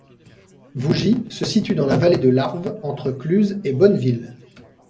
Vougy se situe dans la vallée de l'Arve, entre Cluses et Bonneville.